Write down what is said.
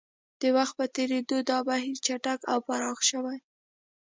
د وخت په تېرېدو دا بهیر چټک او پراخ شوی